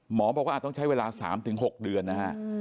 หมอบอกว่าอาจต้องใช้เวลา๓๖เดือนนะฮะ